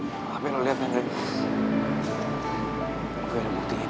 tapi lo liat nih gue udah buktiin